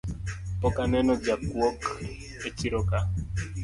Pok aneno jakuok echiroka